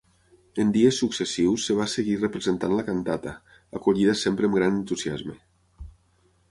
En dies successius es va seguir representant la cantata, acollida sempre amb gran entusiasme.